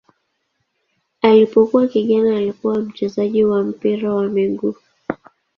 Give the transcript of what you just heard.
Alipokuwa kijana alikuwa mchezaji wa mpira wa miguu.